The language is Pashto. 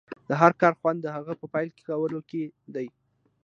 د هر کار خوند د هغه په پيل کولو کې دی.